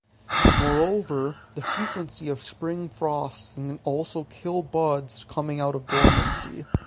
Moreover, the frequency of spring frosts can also kill buds coming out of dormancy.